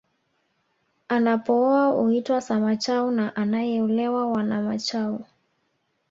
Anapooa huitwa Samachau na anaeolewa Wanamachau